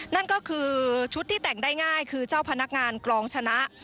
นั่นก็คือชุดที่แต่งได้ง่ายคือเจ้าพนักงานกรองชนะ